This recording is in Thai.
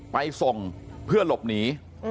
ไปส่งเพื่อหลบหนี